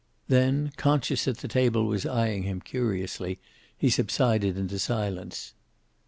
Then, conscious that the table was eying him curiously, he subsided into silence.